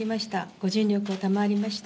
ご尽力を賜りました。